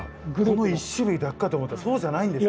この１種類だけかと思ったらそうじゃないんですね。